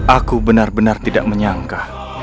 aku benar benar tidak menyangka